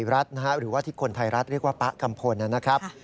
และมุยทิไทรัศน์หรือว่าที่คนไทรัศน์เรียกว่าปะกำพลนะครับ